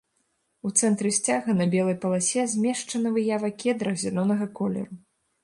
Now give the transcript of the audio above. У цэнтры сцяга на белай паласе змешчана выява кедра зялёнага колеру.